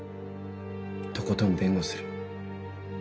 とことん弁護する。